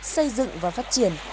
xây dựng và phát triển